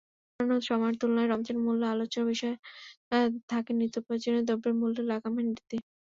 অন্যান্য সময়ের তুলনায় রমজানের মূল আলোচ্য বিষয় থাকে নিত্যপ্রয়োজনীয় দ্রব্যের মূল্য লাগামহীন বৃদ্ধি।